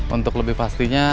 untuk lebih pastinya